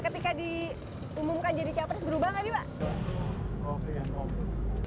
ketika diumumkan jadi capres berubah gak nih pak